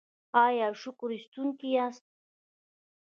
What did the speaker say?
ایا شکر ایستونکي یاست؟